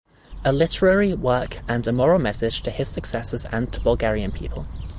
A literary work and a moral message to his successors and to Bulgarian people.